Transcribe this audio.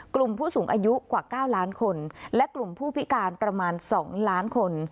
กลุ่มผู้สูงอายุกว่า๙ล้านคนและกลุ่มผู้พิการประมาณ๒ล้านคน